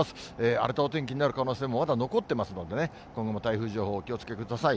荒れたお天気になる可能性もまだ残っていますので、今後も台風情報、お気をつけください。